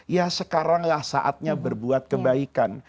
ya sekarang lah saatnya berbuat kebaikan